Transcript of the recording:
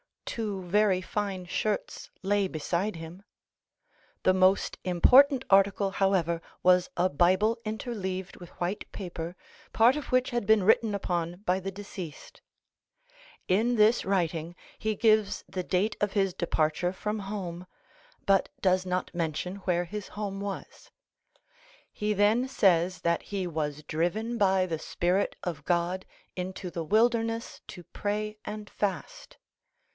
Two very fine shirts lay beside him. The most important article, however, was a Bible interleaved with white paper, part of which had been written upon by the deceased. In this writing he gives the date of his departure from home (but does not mention where his home was). He then says that he was driven by the Spirit of God into the wilderness to pray and fast.